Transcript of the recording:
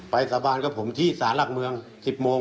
สาบานกับผมที่สารหลักเมือง๑๐โมง